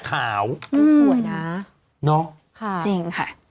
จริงค่ะ